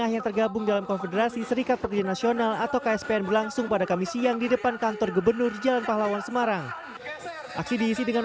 yang pertama kita